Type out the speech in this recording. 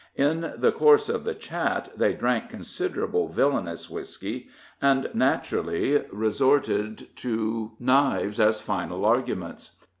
In the course of the chat they drank considerable villainous whisky, and naturally resorted to knives as final arguments.